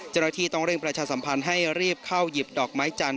จนโดยที่ต้องเริ่มประชาสัมพันธ์ให้รีบเข้ายิบดอกไม้จัน